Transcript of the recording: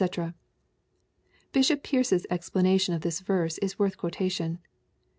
] Bishop Pearce's explanation of this verse is worth quotation.